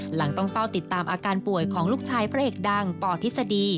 หลังต้องเฝ้าติดตามอาการป่วยของลูกชายพระเอกดังปทฤษฎี